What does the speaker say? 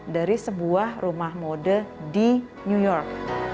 dari sebuah rumah mode di new york